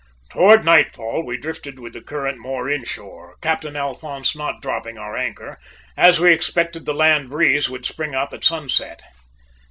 "Towards nightfall we drifted with the current more inshore, Captain Alphonse not dropping our anchor, as we expected the land breeze would spring up at sunset.